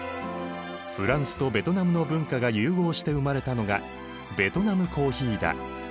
フランスとベトナムの文化が融合して生まれたのがベトナムコーヒーだ。